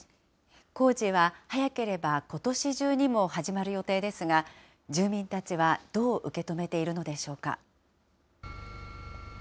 工事は早ければことし中にも始まる予定ですが、住民たちはどう受け止めているのでしょうか。